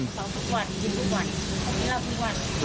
เขาคิดว่าทุกวัน